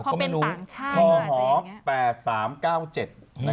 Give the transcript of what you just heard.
คอเป็นภาคช่ายอาจจะอย่างนี้